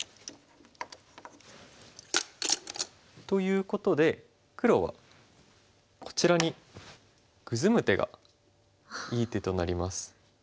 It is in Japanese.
ということで黒はこちらにグズむ手がいい手となります。